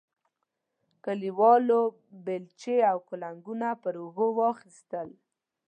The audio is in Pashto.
کلیوالو بیلچې او کنګونه پر اوږو واخیستل.